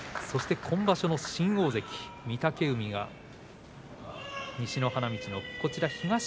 そして今場所の新大関御嶽海が花道の奥。